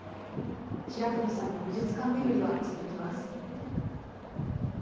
白鳥さんの美術館巡りは続きます。